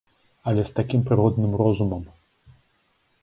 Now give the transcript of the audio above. Але з такім прыродным розумам!